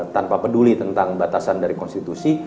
tanpa peduli tentang batasan dari konstitusi